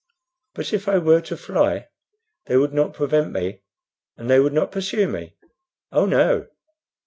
"But if I were to fly they would not prevent me, and they would not pursue me?" "Oh no."